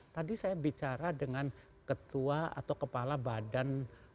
tadi saya bicara dengan ketua atau kepala badan